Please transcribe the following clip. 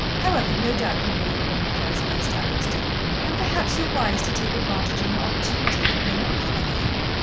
However, no doubt you know your own affairs best, Alex, dear, and perhaps you're wise to take advantage of an opportunity that may not come again!